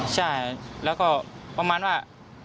ใช่แล้วก็ประมาณว่า